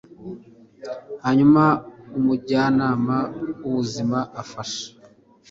hanyuma umujyanama w'ubuzima afasha